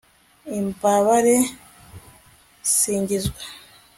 imbabare, singizwa